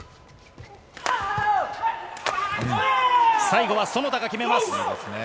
最後は園田が決めます。